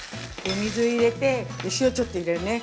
水入れて、お塩ちょっと入れるね。